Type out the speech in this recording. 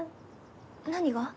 何が？